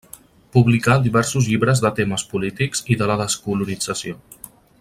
Publicà diversos llibres de temes polítics i de la descolonització.